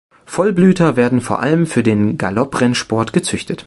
Vollblüter werden vor allem für den Galopprennsport gezüchtet.